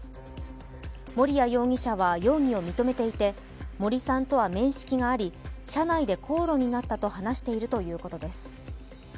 森谷容疑者は容疑を認めていて森さんとは面識があり、社内で口論になったと話しているということです。